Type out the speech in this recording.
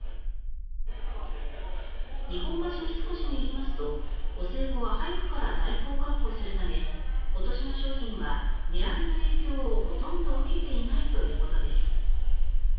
日本橋三越によりますとお歳暮は早くから在庫を確保するため今年の商品は値上げの影響をほとんど受けていないということです。